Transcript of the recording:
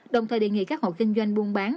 đồng thời đề nghị các hộ kinh doanh buôn bán